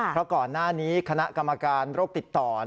เพราะก่อนหน้านี้คณะกรรมการโรคติดต่อ